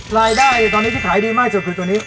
รายได้ตอนนี้ที่ขายดีมากสุดคือตัวนี้